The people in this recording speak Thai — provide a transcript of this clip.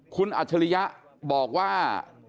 คุณอัจฉริยะบอกว่า